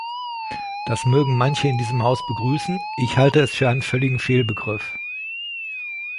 Das mögen manche in diesem Haus begrüßen, ich halte es für einen völligen Fehlbegriff.